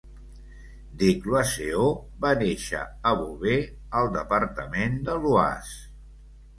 Des Cloizeaeaux va néixer a Beauvais, al departament de l'Oise.